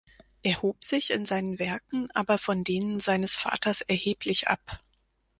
Er hob sich in seinen Werken aber von denen seines Vaters erheblich ab.